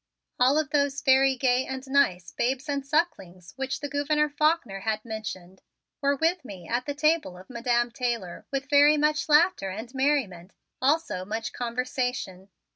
All of those very gay and nice "babes and sucklings" which the Gouverneur Faulkner had mentioned, were with me at the table of Madam Taylor with very much laughter and merriment, also much conversation.